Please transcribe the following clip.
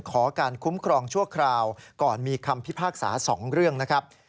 ขอการคุ้มครองชั่วคราวก่อนมีคำพิพากษา๒เรื่องนะครับ